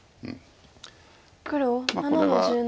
黒７の十七。